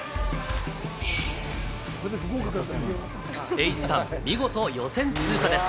瑛史さん、見事、予選通過です。